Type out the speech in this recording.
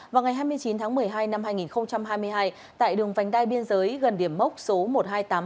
vào ngày hai mươi chín tháng một mươi hai năm hai nghìn hai mươi hai tại đường vành đai biên giới gần điểm mốc số một nghìn hai trăm tám mươi hai